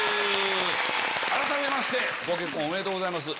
改めましてご結婚おめでとうございます。